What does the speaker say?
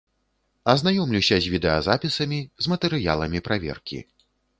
Азнаёмлюся з відэазапісамі, з матэрыяламі праверкі.